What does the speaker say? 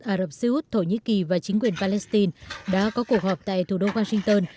ả rập xê út thổ nhĩ kỳ và chính quyền palestine đã có cuộc họp tại thủ đô washington